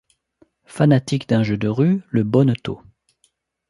Fanatique d'un jeu de rue, le Bonneteau.